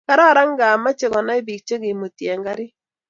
kararan ingaa meche konay biik chegemutii eng karitt